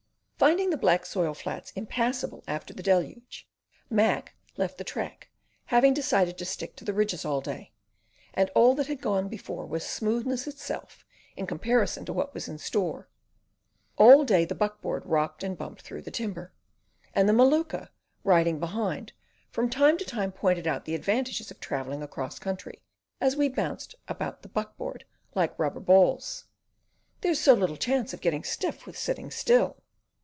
Finding the black soil flats impassable after the deluge, Mac left the track, having decided to stick to the ridges all day; and all that had gone before was smoothness itself in comparison to what was in store. All day the buck board rocked and bumped through the timber, and the Maluka, riding behind, from time to time pointed out the advantages of travelling across country, as we bounced about the buck board like rubber balls: "There's so little chance of getting stiff with sitting still."